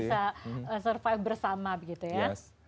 supaya bisa survive bersama gitu ya